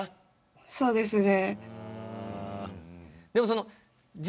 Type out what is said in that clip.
そうですね。